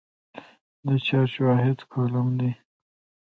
د چارج واحد کولم دی.